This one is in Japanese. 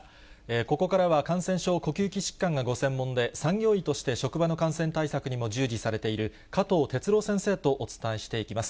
ここからは感染症、呼吸器疾患がご専門で産業医として職場の感染対策にも従事されている、加藤哲朗先生とお伝えしていきます。